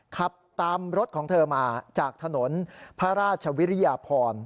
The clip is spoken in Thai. ขับตามรถของเธอมาจากถนนพระราชวิริยพร